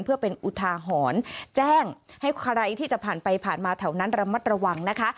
เพื่อเป็นอุทาหรณ์แจ้งให้ใครที่จะผ่านไปผ่านมาแถวนั้นระมัดระวังนะคะ